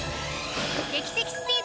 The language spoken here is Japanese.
劇的スピード！